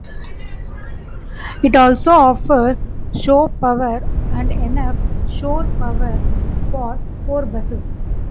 It also offers show power and enough shore power for four buses.